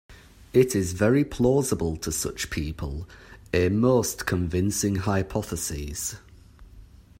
It is very plausible to such people, a most convincing hypothesis.